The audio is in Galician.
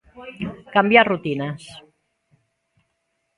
Cambiar rutinas.